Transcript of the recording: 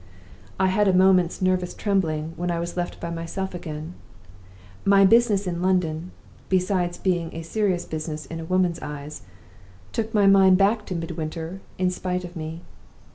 "I had a moment's nervous trembling when I was by myself again. My business in London, besides being a serious business in a woman's eyes, took my mind back to Midwinter in spite of me.